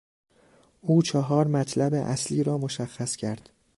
او چهار مطلب اصلی را مشخص کرد.